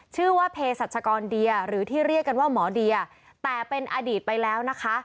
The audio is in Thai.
ชื่อว่าเพศรัชกรเดียหรือที่เรียกกันว่าหมอเดียแต่เป็นอดีตไปแล้วนะคะ